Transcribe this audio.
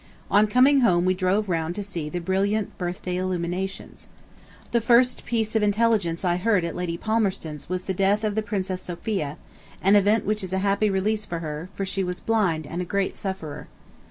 On coming home we drove round to see the brilliant birthday illuminations. The first piece of intelligence I heard at Lady Palmerston's was the death of the Princess Sophia, an event which is a happy release for her, for she was blind and a great sufferer.